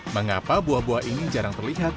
mengapa buah buah ini jarang terlihat